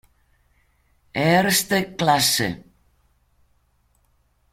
Eerste Klasse